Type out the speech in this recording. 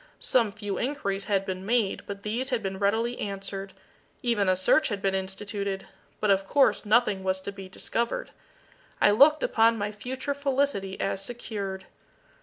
Some few inquiries had been made, but these had been readily answered. Even a search had been instituted but of course nothing was to be discovered. I looked upon my future felicity as secured.